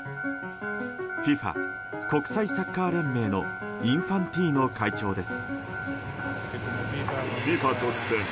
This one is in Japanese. ＦＩＦＡ・国際サッカー連盟のインファンティーノ会長です。